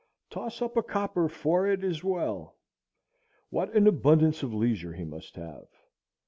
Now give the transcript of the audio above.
Toss up a copper for it as well. What an abundance of leisure he must have!